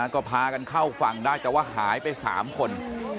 ก็พากันเข้าฝั่งได้แต่ว่าหายไป๓คน